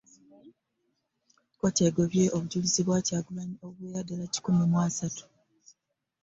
Kkooti egobye obujulizi bwa Kyagulanyi obuwerera ddala kikumi mu asatu